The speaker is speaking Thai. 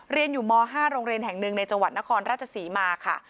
เรียนอยู่ม๕โรงเรียนแห่งหนึ่งในจังหวัดนครราชศรีมาค่ะ